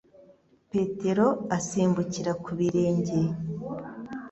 Petero asimbukira ku birenge,